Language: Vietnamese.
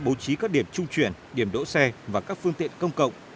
bố trí các điểm trung chuyển điểm đỗ xe và các phương tiện công cộng